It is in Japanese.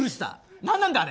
なんなんだ、あれ！